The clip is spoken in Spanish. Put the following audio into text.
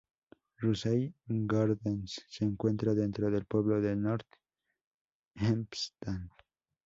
Russell Gardens se encuentra dentro del pueblo de North Hempstead.